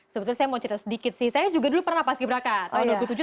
sebenarnya saya mau cerita sedikit sih saya juga dulu pernah pas ki braka tahun dua ribu tujuh